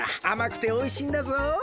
あまくておいしいんだぞ。